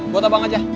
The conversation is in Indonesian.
buat abang aja